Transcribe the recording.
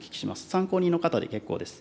参考人の方で結構です。